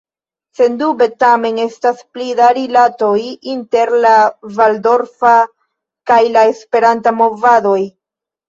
Sendube tamen estas pli da rilatoj inter la valdorfa kaj la esperanta movadoj.